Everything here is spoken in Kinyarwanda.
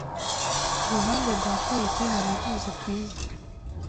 Kuruhande rwa parike hari uruzi rwiza .